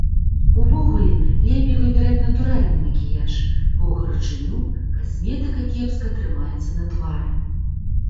Увогуле лепей выбіраць натуральны макіяж, бо ў гарачыню касметыка кепска трымаецца на твары.